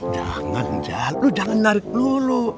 jangan jal lu jangan narik dulu